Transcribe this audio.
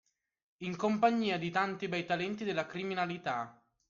In compagnia di tanti bei talenti della criminalità.